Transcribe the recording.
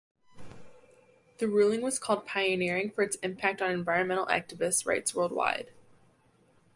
The ruling was called pioneering for its impact on environmental activists rights worldwide.